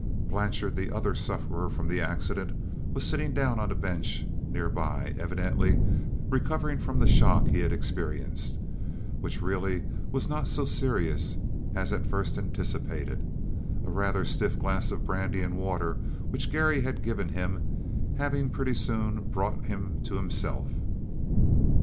Blanchard, the other sufferer from the accident, was sitting down on a bench near by, evidently recovering from the shock he had experienced, which really was not so serious as at first anticipated, a rather stiff glass of brandy and water which Garry had given him, having pretty soon brought him to himself.